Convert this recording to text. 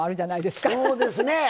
そうですね